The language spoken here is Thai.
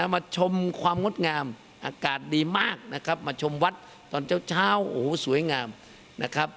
มาชมความงดงามอากาศดีมากนะครับมาชมวัดตอนเช้าโอ้โหสวยงามนะครับ